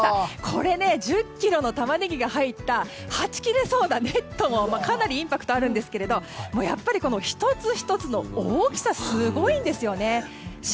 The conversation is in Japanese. これ１０ｋｇのタマネギが入ったはち切れそうなネットもかなりインパクトあるんですけどやっぱり１つ１つの大きさすごいんですよね。